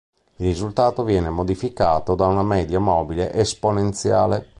Il risultato viene modificato da una media mobile esponenziale.